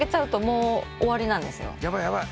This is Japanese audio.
やばいやばい！